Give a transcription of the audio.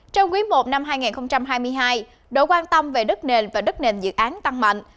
trong quý i năm hai nghìn hai mươi hai độ quan tâm về đất nền và đất nền dự án tăng mạnh